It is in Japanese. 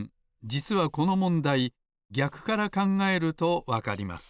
じつはこのもんだいぎゃくからかんがえるとわかります。